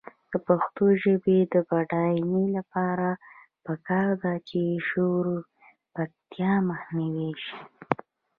د پښتو ژبې د بډاینې لپاره پکار ده چې شعوري چټکتیا مخنیوی شي.